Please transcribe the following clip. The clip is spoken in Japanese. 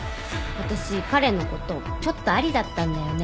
私彼のことちょっとありだったんだよね。